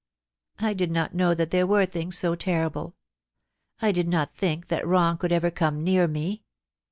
... I did not know that there were things so terrible. I did not think that wrong could ever come near me.